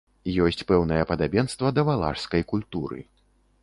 Ёсць пэўнае падабенства да валашскай культуры.